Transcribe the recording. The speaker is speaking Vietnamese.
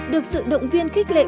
được sự động viên khích lệ